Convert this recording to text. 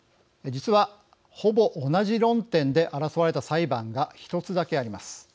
実はほぼ同じ論点で争われた裁判が１つだけあります。